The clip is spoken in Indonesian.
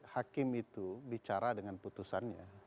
hakim itu bicara dengan putusannya